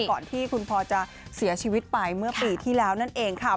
ก่อนที่คุณพอจะเสียชีวิตไปเมื่อปีที่แล้วนั่นเองค่ะ